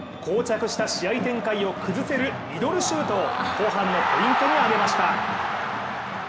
こう着した試合展開を崩せるミドルシュートを後半のポイントに挙げました。